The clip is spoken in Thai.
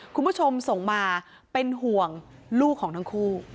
คุณผู้ชมส่งมาเป็นห่วงลูกของทั้งคู่